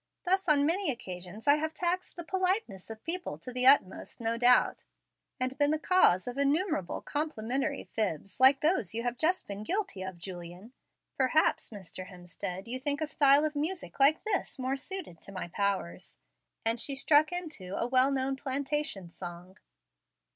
Thus, on many occasions, I have taxed the politeness of people to the utmost, no doubt, and been the cause of innumerable complimentary fibs, like those you have just been guilty of, Julian. Perhaps, Mr. Hemstead, you think a style of music like this more suited to my powers "; and she struck into a well known plantation song.